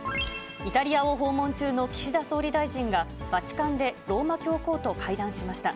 イタリアを訪問中の岸田総理大臣が、バチカンでローマ教皇と会談しました。